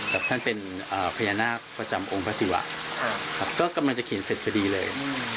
แบบท่านเป็นพญานาคประจำองค์ภาษีวะก็กำลังจะเขียนเสร็จไปดีเลย